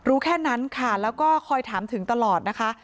แค่นั้นค่ะแล้วก็คอยถามถึงตลอดนะคะ